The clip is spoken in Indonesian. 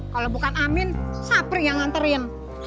kalau bukan amin sapri yang nganterin